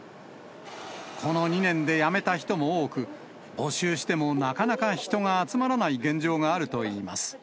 この２年で辞めた人も多く、募集してもなかなか人が集まらない現状があるといいます。